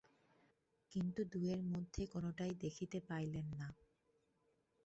কিন্তু দুয়ের মধ্যে কোনোটাই দেখিতে পাইলেন না।